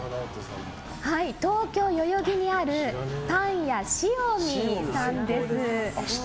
東京・代々木にあるパン屋塩見さんです。